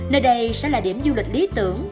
nơi đây sẽ là điểm du lịch lý tưởng